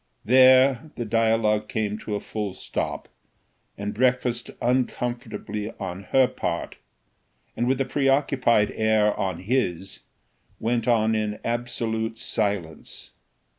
There the dialogue came to a full stop, and breakfast, uncomfortably on her part, and with a preoccupied air on his, went on in absolute silence.